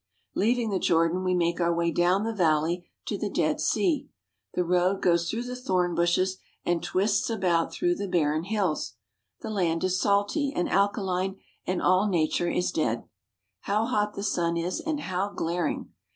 Leaving the Jordan we make our way down the valley to the Dead Sea. The road goes through the thorn bushes and twists about through the barren hills. The land is salty and alkaline and all nature is dead. How hot the sun is, and how glaring!